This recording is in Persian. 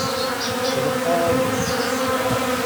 پل خواجو